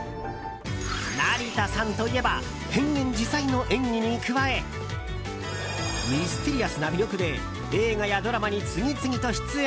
成田さんといえば変幻自在の演技に加えミステリアスな魅力で映画やドラマに次々と出演。